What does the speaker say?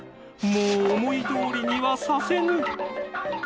もう思いどおりにはさせぬ！